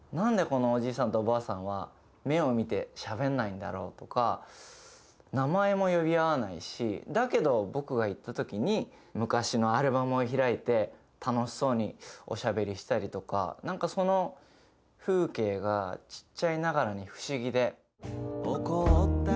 んでこのおじいさんとおばあさんは目を見てしゃべんないんだろうとか名前も呼び合わないしだけど僕が行った時に昔のアルバムを開いて楽しそうにおしゃべりしたりとかなんかその風景がちっちゃいながらに不思議で。